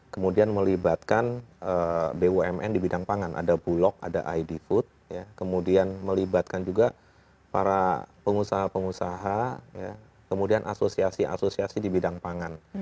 kemudian melibatkan bumn di bidang pangan ada bulog ada id food kemudian melibatkan juga para pengusaha pengusaha kemudian asosiasi asosiasi di bidang pangan